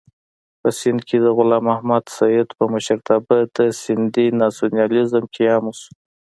په سېند کې د غلام محمد سید په مشرتابه د سېندي ناسیونالېزم قیام وشو.